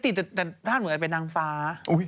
แต่ท่าเหมือนเป็นนางฟ้า